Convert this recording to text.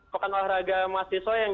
pekan olahraga mahasiswa yang